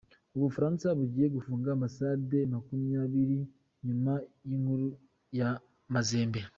U Bufaransa bugiye gufunga Ambasade makumyabiri nyuma y’inkuru ya Mazembe